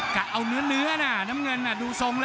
กะเอาเนื้อนะน้ำเงินดูทรงแล้ว